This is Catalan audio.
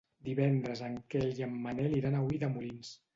Divendres en Quel i en Manel iran a Ulldemolins.